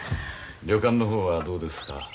旅館の方はどうですか？